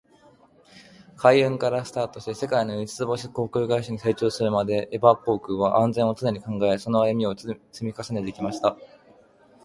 海運からスタートし、世界の五つ星航空会社に成長するまで、エバー航空は「安全」を常に考え、その歩みを積み重ねてきました。